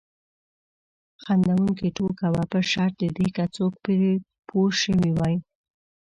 خندونکې ټوکه وه په شرط د دې که څوک پرې پوه شوي وای.